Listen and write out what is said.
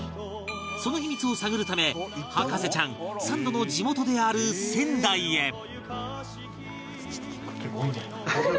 その秘密を探るため博士ちゃんサンドの地元である仙台へ